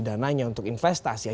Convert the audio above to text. dananya untuk investasi